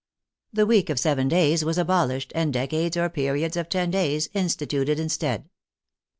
The week of seven days was abolished and decades or periods of ten days instituted instead.